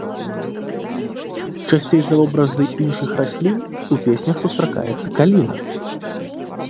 Часцей за вобразы іншых раслін у песнях сустракаецца каліна.